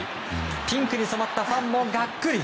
ピンクに染まったファンもがっくり。